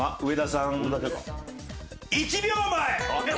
１秒前。